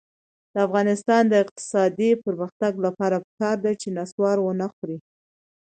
د افغانستان د اقتصادي پرمختګ لپاره پکار ده چې نصوار ونه خورئ.